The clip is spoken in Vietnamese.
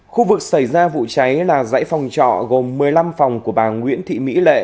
khu vực xảy ra vụ cháy là dãy phòng trọ gồm một mươi năm phòng của bà nguyễn thị mỹ lệ